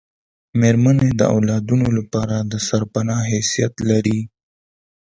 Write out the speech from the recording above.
میرمنې د اولادونو لپاره دسرپنا حیثیت لري